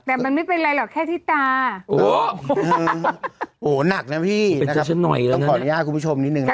แต่มันไม่เป็นไรหรอกแค่ที่ตาโอ้โฮหนักนะพี่ต้องขออนุญาตคุณผู้ชมนิดนึง